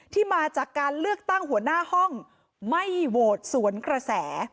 มาจากการเลือกตั้งหัวหน้าห้องไม่โหวตสวนกระแส